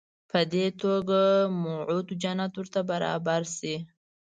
په دې توګه موعود جنت ورته برابر شي.